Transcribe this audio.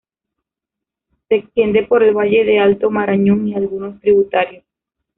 Se extiende por el valle del alto Marañón y algunos tributarios.